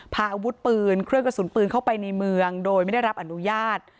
พาอาวุธปืนเครื่องกระสุนปืนเข้าไปในเมืองโดยไม่ได้รับอนุญาต